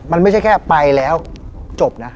มันไม่ใช่แค่ไปแล้วจบนะ